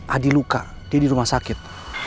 adi luka di rumah sakit